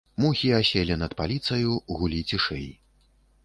Мухі аселі над паліцаю, гулі цішэй.